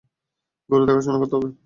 গরুর দেখাশোনা করতে হবে।